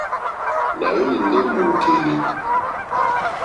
Nà hwélì ndé mòòkèlì,.